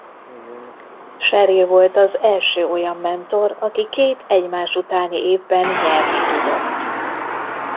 Cheryl volt az első olyan mentor aki két egymás utáni évben nyerni tudott.